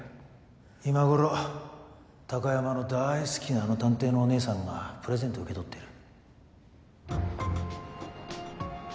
今頃貴山の大好きなあの探偵のおねえさんがプレゼントを受け取ってる。